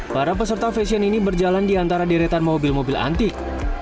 para peserta fashion ini berjalan di antara deretan mobil mobil antik